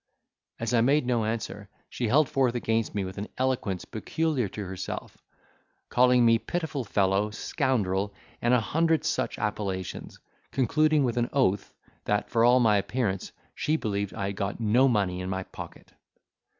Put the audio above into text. As I made no answer, she held forth against me with an eloquence peculiar to herself; calling me pitifull fellow, scoundrel, and a hundred such appellations; concluding with an oath, that, for all my appearance, she believed I had got no money in my pocket.